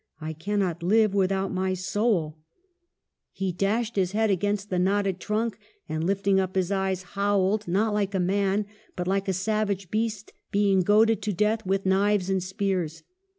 I cannot live with out my soul.' 262 EMILY BRONTE. " He dashed his head against the knotted trunk ; and, lifting up his eyes, howled, not like a man, but like a savage beast being goaded to death with knives and spears.